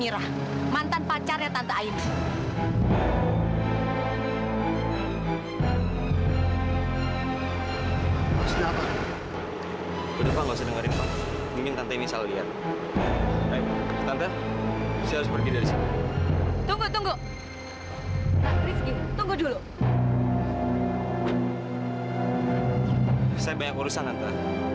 sampai jumpa di video selanjutnya